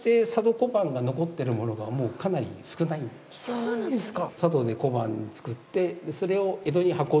そうなんですか。